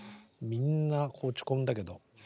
みんな落ち込んだけど。